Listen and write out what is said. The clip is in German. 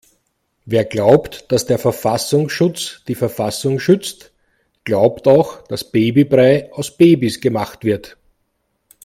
Wer glaubt, dass der Verfassungsschutz die Verfassung schützt, glaubt auch dass Babybrei aus Babys gemacht wird.